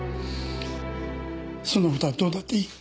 そんなことはどうだっていい。